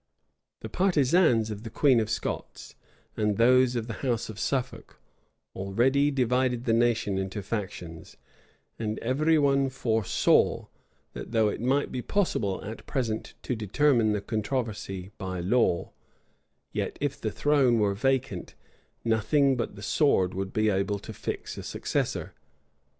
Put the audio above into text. The partisans of the queen of Scots, and those of the house of Suffolk, already divided the nation into factions; and every one foresaw, that, though it might be possible at present to determine the controversy by law, yet, if the throne were vacant, nothing but the sword would be able to fix a successor.